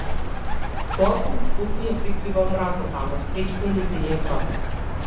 Тоа колку толку ја прикрива омразата, а го спречува и нејзиниот раст.